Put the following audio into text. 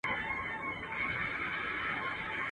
له خوا تر سره کېدله